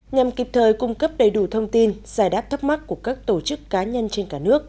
nhằm kịp thời cung cấp đầy đủ thông tin giải đáp thắc mắc của các tổ chức cá nhân trên cả nước